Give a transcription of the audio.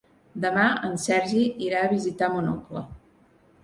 Demà en Sergi irà a visitar mon oncle.